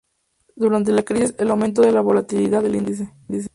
Durante la crisis, el aumento de la volatilidad del índice.